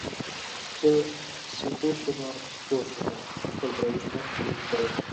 چې سیپو شومه اوس په پوه شومه متل د شتمن سړي کیسه ده